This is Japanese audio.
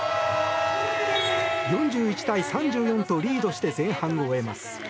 ４１対３４とリードして前半を終えます。